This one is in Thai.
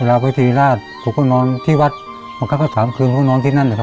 เวลาไปศรีราชผมก็นอนที่วัดหมอกันก็๓คืนผมก็นอนที่นั่นเนี่ยครับ